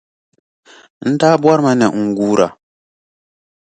N daa bɔrimi ni n guura.